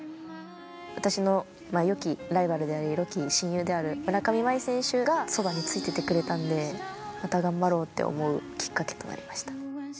私のよきライバルであり、よき親友である村上茉愛選手が、そばについててくれたんで、また頑張ろうって思えるきっかけとなりました。